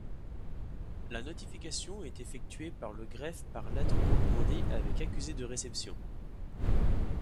La notification est effectuée par le greffe par lettre recommandée avec accusé de réception.